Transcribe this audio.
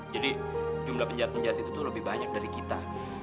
jadi jumlah penjahat penjahat itu tuh lebih banyak dari kita